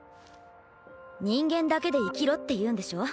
人間だけで生きろっていうんでしょ。